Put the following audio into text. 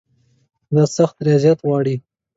دا سخت ریاضت غواړي.